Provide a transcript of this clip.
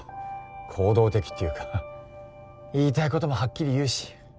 行動的っていうか言いたいこともハッキリ言うし。